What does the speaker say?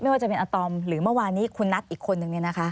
ว่าจะเป็นอาตอมหรือเมื่อวานนี้คุณนัทอีกคนนึง